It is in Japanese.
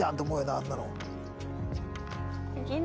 あんなの。